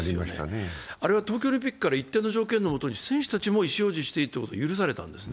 あれは東京オリンピックから一定の条件の下に選手たちも意思表示していいということを許されたんですね。